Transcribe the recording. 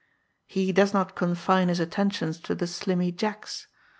He does not confine his attentions to the Slimmy Jacks.